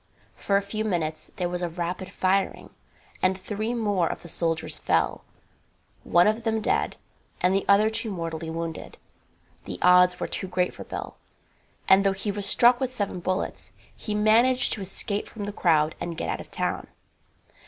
For a few minutes there was rapid firing, and three more of the soldiers fell, one of them dead, and the other two mortally wounded. The odds were too great for Bill, and though he was struck with seven bullets, he managed to escape from the crowd and get out of town.